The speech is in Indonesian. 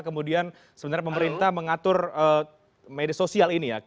kemudian sebenarnya pemerintah mengatur media sosial ini ya